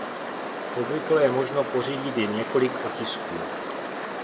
Obvykle je možno pořídit jen několik otisků.